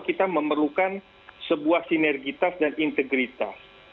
kita memerlukan sebuah sinergitas dan integritas